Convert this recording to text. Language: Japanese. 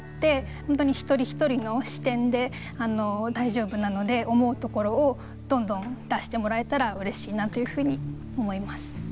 本当に一人一人の視点で大丈夫なので思うところをどんどん出してもらえたらうれしいなというふうに思います。